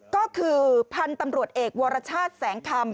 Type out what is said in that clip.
ก็คือพันธุ์ตำรวจเอกวรชาติแสงคำ